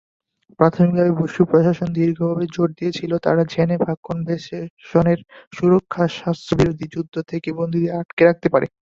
প্রাথমিকভাবে বুশ প্রশাসন দৃঢ়ভাবে জোর দিয়েছিল, তারা জেনেভা কনভেনশনের সুরক্ষা সন্ত্রাসবিরোধী যুদ্ধ থেকে বন্দীদের আটক রাখতে পারে।